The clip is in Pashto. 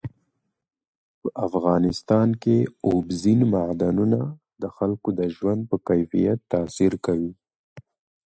په افغانستان کې اوبزین معدنونه د خلکو د ژوند په کیفیت تاثیر کوي.